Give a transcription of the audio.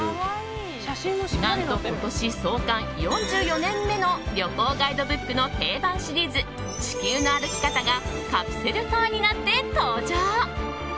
何と、今年創刊４４年目の旅行ガイドブックの定番シリーズ「地球の歩き方」がカプセルトイになって登場。